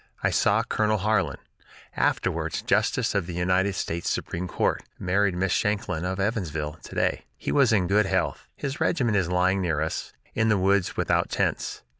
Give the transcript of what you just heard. I saw Colonel Harlan [afterwards Justice of the United States Supreme Court; married Miss Shanklin, of Evansville] to day. He was in good health. His regiment is lying near us, in the woods without tents.